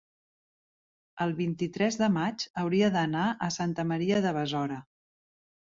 el vint-i-tres de maig hauria d'anar a Santa Maria de Besora.